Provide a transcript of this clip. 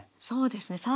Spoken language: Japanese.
そうですね